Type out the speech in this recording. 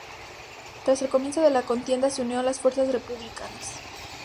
Tras el comienzo de la contienda se unió a las fuerzas republicanas.